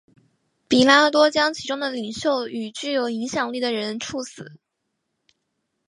彼拉多将其中的领袖与具有影响力的人处死。